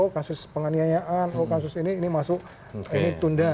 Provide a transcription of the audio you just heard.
kasus penganiayaan oh kasus ini ini masuk ini tunda